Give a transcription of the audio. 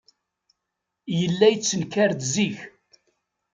Yella yettenkar-d zik.